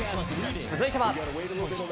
続いては。